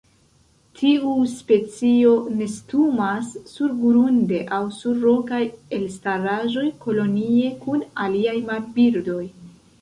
Tiu specio nestumas surgrunde aŭ sur rokaj elstaraĵoj kolonie kun aliaj marbirdoj.